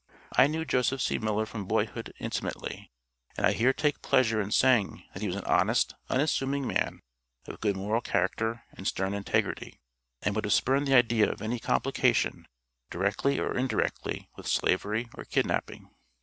I knew Joseph C. Miller from boyhood intimately, and I here take pleasure in saying that he was an honest, unassuming man, of good moral character and stern integrity, and would have spurned the idea of any complication, directly or indirectly, with slavery or kidnapping.